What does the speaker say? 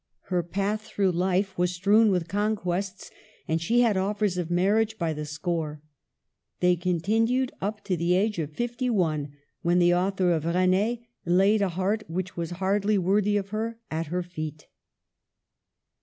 Her path through life was strewn with conquests, and she had offers of marriage by the score. They continued up to the age of fifty one, when the author of RSnS laid a heart which was hardly worthy of her at her feet.